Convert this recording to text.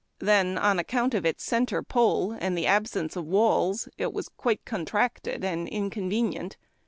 Then, on account of its centre pole and the absence of walls, it was quite contracted and inconvenient.